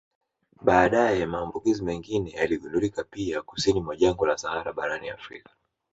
Baadaye maambukizi mengine yaligundulika pia kusini mwa jangwa la Sahara barani Afrika